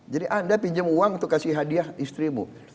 jadi anda pinjam uang untuk kasih hadiah istrimu